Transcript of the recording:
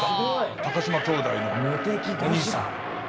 高島兄弟のお兄さん。